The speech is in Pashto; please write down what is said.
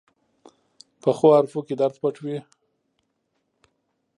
پخو حرفو کې درد پټ وي